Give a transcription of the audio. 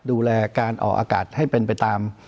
ดูแลการออกอากาศให้เป็นไปตาม